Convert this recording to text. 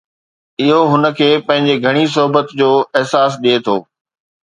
اهو هن کي پنهنجي گهڻي صحبت جو احساس ڏئي ٿو